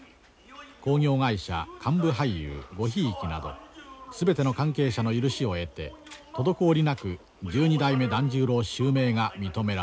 興行会社幹部俳優ごひいきなど全ての関係者の許しを得て滞りなく十二代目團十郎襲名が認められた。